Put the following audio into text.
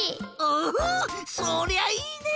おおそりゃいいね！